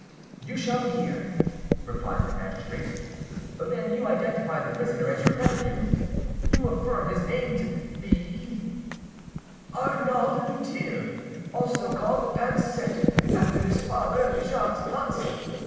"You shall hear," replied the magistrate. "Then you identify the prisoner as your nephew? You affirm his name to be— ?" "Arnauld du Thill, also called 'Pansette,' after his father, Jacques Pansa.